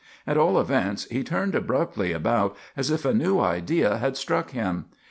At all events, he turned abruptly about as if a new idea had struck him.